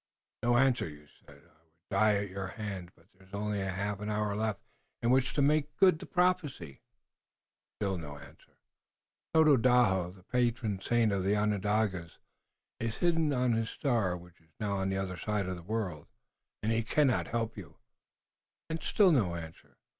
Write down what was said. No answer. "You said I would die at your hand, but there is only a half hour left in which to make good the prophecy." Still no answer. "Tododaho, the patron saint of the Onondagas, is hidden on his star, which is now on the other side of the world, and he cannot help you." And still no answer.